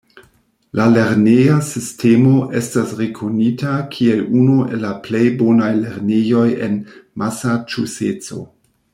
La lerneja sistemo estas rekonita kiel unu el la plej bonaj lernejoj en Masaĉuseco.